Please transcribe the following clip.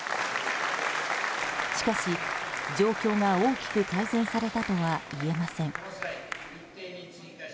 しかし、状況が大きく改善されたとは言えません。